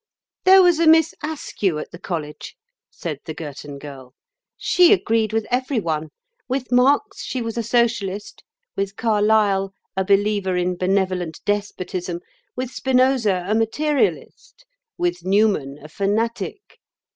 "There was a Miss Askew at the College," said the Girton Girl. "She agreed with every one. With Marx she was a Socialist, with Carlyle a believer in benevolent despotism, with Spinoza a materialist, with Newman a fanatic.